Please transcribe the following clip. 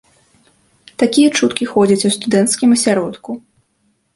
Такія чуткі ходзяць у студэнцкім асяродку.